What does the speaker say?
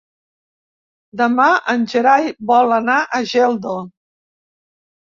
Demà en Gerai vol anar a Geldo.